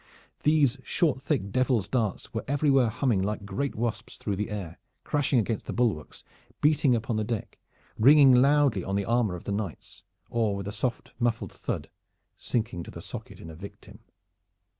These short thick devil's darts were everywhere humming like great wasps through the air, crashing against the bulwarks, beating upon the deck, ringing loudly on the armor of the knights, or with a soft muffled thud sinking to the socket in a victim.